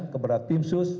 kepada tim sus